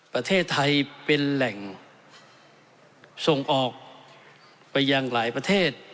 ประเทศไทยเป็นแหล่งส่งออกไปยังหลายประเทศ